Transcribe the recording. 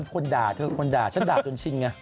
คุณด่าเธอค่ะคุณด่าชั้นด่าจนชินไง